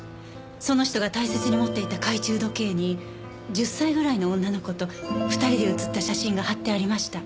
その人が大切に持っていた懐中時計に１０歳ぐらいの女の子と２人で写った写真が貼ってありました。